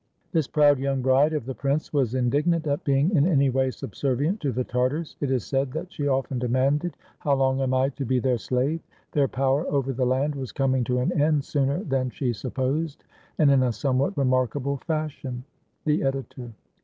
This proud young bride of the prince was indignant at be ing in any way subservient to the Tartars. It is said that she often demanded, "How long am I to be their slave?" Their power over the land was coming to an end sooner than she supposed, and in a somewhat remarkable fashion. The Editor.